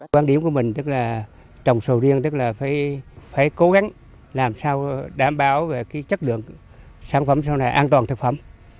quan điểm của mình tức là trồng sầu riêng tức là phải cố gắng làm sao đảm bảo về cái chất lượng sản phẩm sau này an toàn thực phẩm